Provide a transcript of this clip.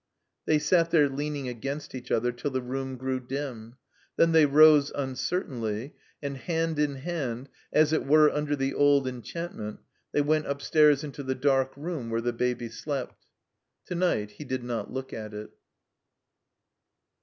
They sat there leaning against each other till the room grew dim. Then they rose, tmcertainly; and hand in hand, as it were under the old enchantment, they went upstairs into the dark room where the Baby slept. To night he did not look at it.